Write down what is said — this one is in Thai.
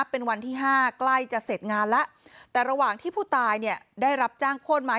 เป็นวันที่ห้าใกล้จะเสร็จงานแล้วแต่ระหว่างที่ผู้ตายเนี่ยได้รับจ้างโค้นไม้